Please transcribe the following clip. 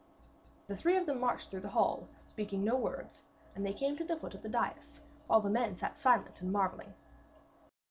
And the three of them marched through the hall, speaking no word, and they came to the foot of the dais, while men sat silent and marvelling.